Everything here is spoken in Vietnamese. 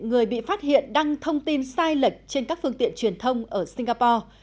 người bị phát hiện đăng thông tin sai lệch trên các phương tiện truyền thông ở singapore